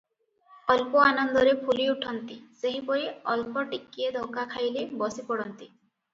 ଅଳ୍ପ ଆନନ୍ଦରେ ଫୁଲି ଉଠନ୍ତି, ସେହିପରି ଅଳ୍ପ ଟିକିଏ ଧକା ଖାଇଲେ ବସି ପଡନ୍ତି ।